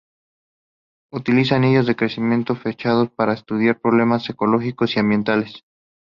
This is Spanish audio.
Utiliza anillos de crecimiento fechados para estudiar problemas ecológicos y ambientales.